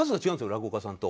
落語家さんと。